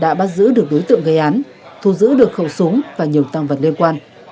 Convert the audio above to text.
đã bắt giữ được đối tượng gây án thu giữ được khẩu súng và nhiều tăng vật liên quan